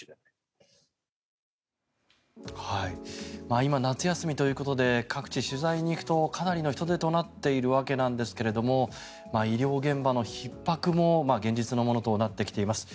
今、夏休みということで各地、取材に行くとかなりの人出となっているわけなんですが医療現場のひっ迫も現実のものとなってきています。